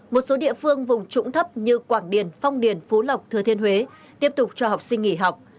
một số địa phương vùng trũng thấp như quảng điền phong điền phú lộc thừa thiên huế tiếp tục cho học sinh nghỉ học